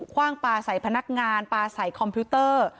ว่างปลาใส่พนักงานปลาใส่คอมพิวเตอร์